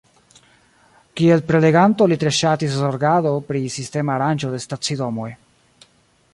Kiel preleganto li tre ŝatis zorgado pri sistema aranĝo de stacidomoj.